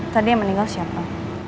tadi yang meninggal siapa